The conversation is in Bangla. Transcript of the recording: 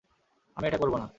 আমি এটা করব না।